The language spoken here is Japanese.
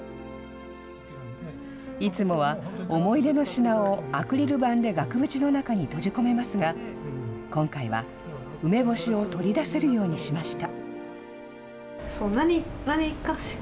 いつもは思い出の品をアクリル板で額縁の中に閉じ込めますが、今回は梅干しを取り出せるようにしました。